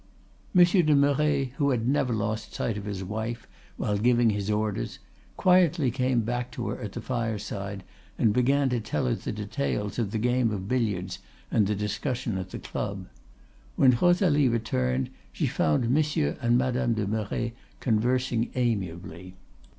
"Monsieur de Merret, who had never lost sight of his wife while giving his orders, quietly came back to her at the fireside, and began to tell her the details of the game of billiards and the discussion at the club. When Rosalie returned she found Monsieur and Madame de Merret conversing amiably.